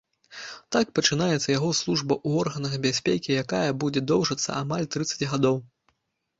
Так пачынаецца яго служба ў органах бяспекі, якая будзе доўжыцца амаль трыццаць гадоў.